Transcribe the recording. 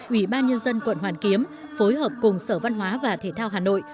ủy ban nhân dân quận hoàn kiếm phối hợp cùng sở văn hóa và thể thao hà nội